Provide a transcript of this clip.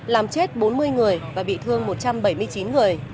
làm chết bốn mươi người và bị thương một trăm bảy mươi chín người